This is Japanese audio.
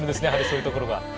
やはり、そういうところが。